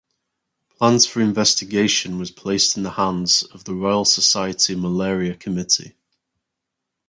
Plans for investigation was placed in the hands of the Royal Society Malaria Committee.